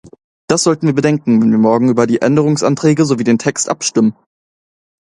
Das sollten wir bedenken, wenn wir morgen über die Änderungsanträge sowie den Text abstimmen.